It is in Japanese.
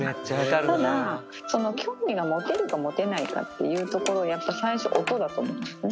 ただ、興味が持てるか持てないかっていうところ、やっぱ最初は音だと思うのね。